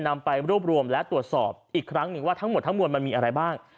นำไปรวบรวมและตรวจสอบอีกครั้งหนึ่งว่าทั้งหมดทั้งมวลมันมีอะไรบ้าง